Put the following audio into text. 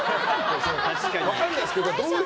分かんないですけど。